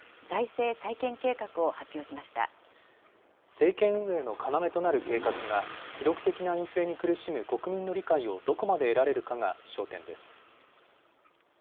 政権運営の要となる計画が、記録的なインフレに苦しむ国民の理解をどこまで得られるかが焦点です。